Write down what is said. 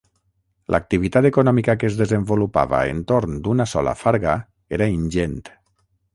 L'activitat econòmica que es desenvolupava entorn d'una sola farga era ingent.